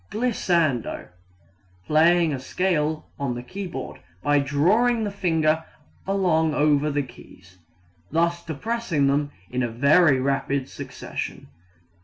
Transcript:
Glissando playing a scale on the keyboard by drawing the finger along over the keys, thus depressing them in very rapid succession.